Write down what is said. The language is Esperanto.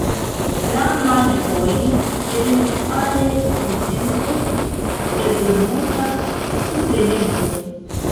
La mankojn eventuale kompensos eldonota suplemento.